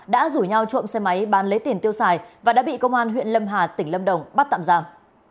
đã rủ nhau trộm xe máy bán lấy tiền tiêu xài và đã bị công an huyện lâm hà tỉnh lâm đồng bắt tạm giam